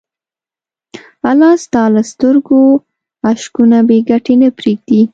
الله ستا له سترګو اشکونه بېګټې نه پرېږدي.